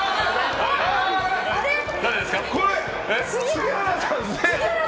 杉原さんですね。